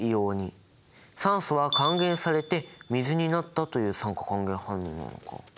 酸素は還元されて水になったという酸化還元反応なのか。